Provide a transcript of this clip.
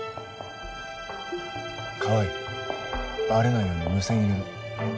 川合バレないように無線入れろ。